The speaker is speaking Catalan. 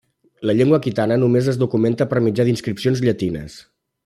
La llengua aquitana només es documenta per mitjà d'inscripcions llatines.